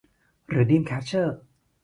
หรือดรีมแคชเชอร์